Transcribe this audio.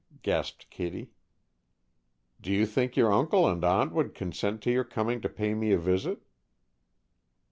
gasped Kittie. "Do you think your uncle and aunt would consent to your coming to pay me a visit?"